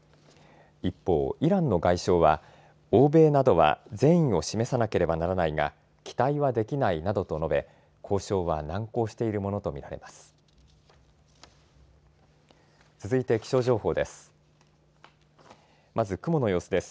一方、イランの外相は、欧米などは善意を示さなければならないが期待はできないなどと述べ交渉は難航しているものと見られます。